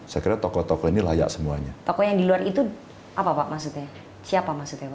saya kira tokoh tokoh ini layak semuanya tokoh yang di luar itu apa pak maksudnya siapa maksudnya